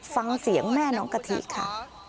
ฟังเสียงแม่น้องกะทิค่ะ